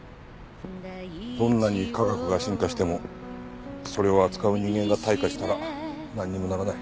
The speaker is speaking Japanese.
どんなに科学が進化してもそれを扱う人間が退化したらなんにもならない。